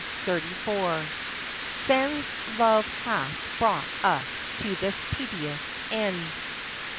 CHAPTEK XXXIV 'sens love hath brought us to this piteous end.'